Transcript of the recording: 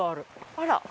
あら。